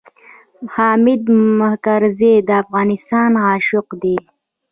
حامد کرزی د افغانستان عاشق دی.